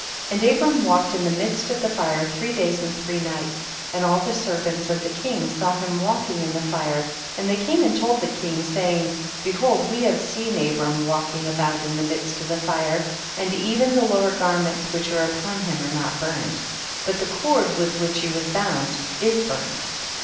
And Abram walked in the midst of the fire three days and three nights, and all the servants of tiie king saw him walking in the fire, and they came and told the king, saying, behold we have seen Abram walking about in the midst of tiie fire, and even the lower garments which are upon him are not burned, but the cord with which he was bound is burned.